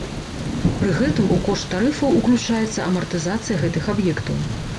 Пры гэтым у кошт тарыфаў ўключаецца амартызацыя гэтых аб'ектаў.